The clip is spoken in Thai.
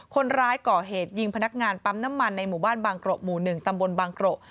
คนร้ายก่อเหตุยิงพนักงานปั๊มน้ำมันในหมู่บ้านบางกระหมู่๑ตำบลบางกระ